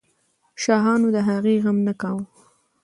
شاهانو د هغې غم نه کاوه.